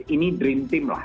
ini dream team lah